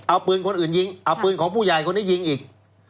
เอาปืนคนอื่นยิงเอาปืนของผู้ใหญ่คนนี้ยิงอีก